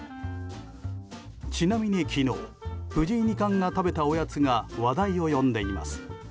ちなみに昨日藤井二冠が食べたおやつが話題を呼んでいます。